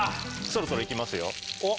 そろそろいきますよ。